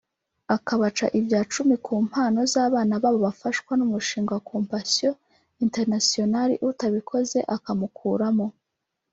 akabaca ibya cumi ku mpano z’abana babo bafashwa n’umushinga wa Compassion Internationale utabikoze akamukuramo